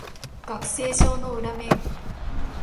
学生証の裏面